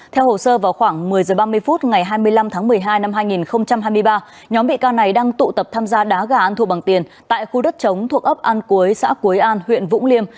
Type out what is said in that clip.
theo hồ sơ vào khoảng một mươi h ba mươi phút ngày hai mươi năm tháng một mươi hai năm hai nghìn hai mươi ba nhóm bị can này đang tụ tập tham gia đá gà ăn thua bằng tiền tại khu đất chống thuộc ấp an cúi xã cúi an huyện vũng liêm